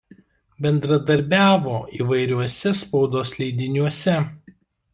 Bendradarbiavo įvairiuose spaudos leidiniuose.